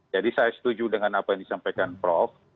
jadi saya setuju dengan apa yang disampaikan prof